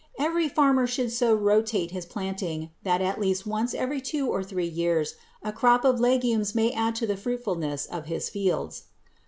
Every farmer should so rotate his planting that at least once every two or three years a crop of legumes may add to the fruitfulness of his fields.